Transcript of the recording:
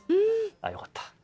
あよかった。